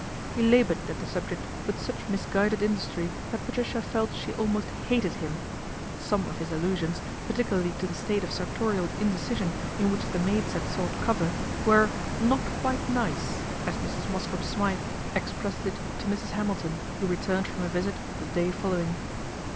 He laboured at the subject with such misguided industry that Patricia felt she almost hated him. Some of his allusions, particularly to the state of sartorial indecision in which the maids had sought cover, were " not quite nice," as Mrs. Mosscrop Smythe 276 PATRICIA BRENT, SPINSTER expressed it to Mrs. Hamilton, who returned from a visit the day following.